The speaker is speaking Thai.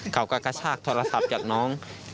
กระชากโทรศัพท์จากน้อง